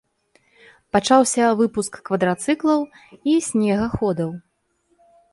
Пачаўся выпуск квадрацыклаў і снегаходаў.